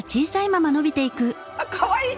あっかわいい！